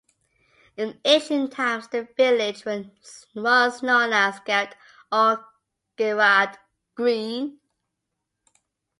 In ancient times the village was known as Garrett or Gerrard Green.